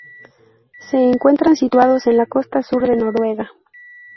Se encuentran situados en la costa sur de Noruega.